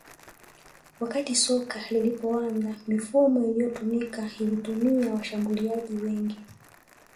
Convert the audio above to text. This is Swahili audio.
Wakati soka lilipoanza mifumo iliyotumika ilitumia washambuliaji wengi